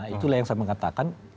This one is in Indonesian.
itulah yang saya mengatakan